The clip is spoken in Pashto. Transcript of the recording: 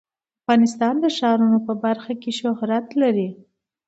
افغانستان د ښارونو په برخه کې شهرت لري.